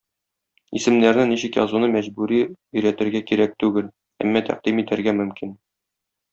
Исемнәрне ничек язуны мәҗбүри өйрәтергә кирәк түгел, әмма тәкъдим итәргә мөмкин.